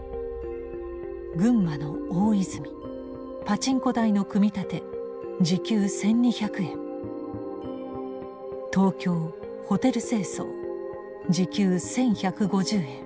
「群馬の大泉パチンコ台の組み立て時給１，２００円」「東京ホテル清掃時給１，１５０円」。